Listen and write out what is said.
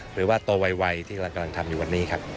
หรือว่าโตไวที่เรากำลังทำอยู่วันนี้ครับ